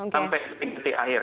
sampai titik titik akhir